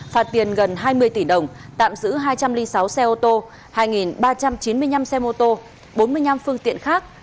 phạt tiền gần hai mươi tỷ đồng tạm giữ hai trăm linh sáu xe ô tô hai ba trăm chín mươi năm xe mô tô bốn mươi năm phương tiện khác